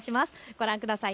ご覧ください。